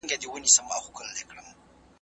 ولي بهرنیو چارو وزیر په نړیواله کچه ارزښت لري؟